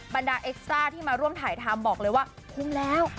บรรดาเอ็กซ่าที่มาร่วมถ่ายทำบอกเลยว่าคุ้มแล้ว